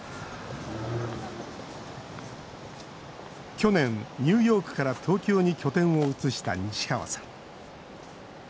去年、ニューヨークから東京に拠点を移した西川さん。